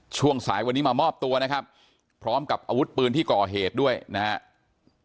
ช่วงสายวันนี้มามอบตัวนะครับพร้อมกับอาวุธปืนที่ก่อเหตุด้วยนะครับ